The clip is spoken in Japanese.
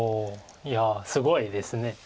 いやすごいです。